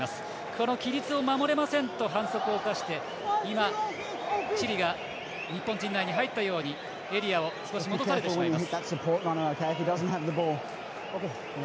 この規律を守れませんと、反則を犯してチリが日本陣内に入ったようにエリアを少し戻されてしまいます。